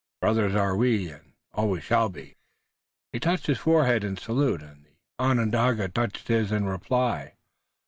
Brothers are we, and always shall be." He touched his forehead in salute, and the Onondaga touched his in reply.